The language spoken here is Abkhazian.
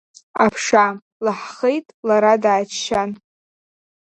Аԥша, лҳхеит лара дааччан.